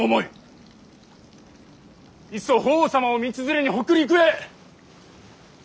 いっそ法皇様を道連れに北陸へ。